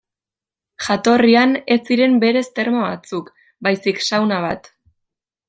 Jatorrian, ez ziren berez terma batzuk, baizik sauna bat.